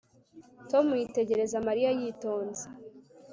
Tom yitegereza Mariya yitonze